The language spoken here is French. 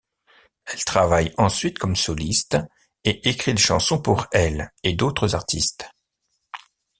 Elle travaille ensuite comme soliste, et écrit des chansons pour elle et d'autres artistes.